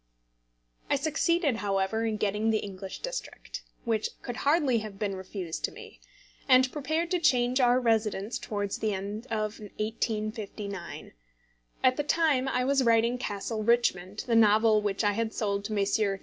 I succeeded, however, in getting the English district, which could hardly have been refused to me, and prepared to change our residence towards the end of 1859. At the time I was writing Castle Richmond, the novel which I had sold to Messrs.